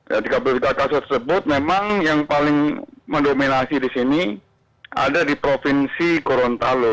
ya tiga puluh tiga kasus tersebut memang yang paling mendominasi di sini ada di provinsi gorontalo